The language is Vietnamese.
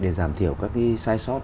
để giảm thiểu các cái sai sót